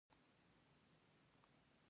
ډېر پخواني آشنایان مې ولیدل.